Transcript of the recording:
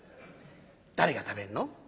「誰が食べるの？」。